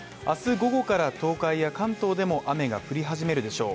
午後から東海や関東でも雨が降り始めるでしょう。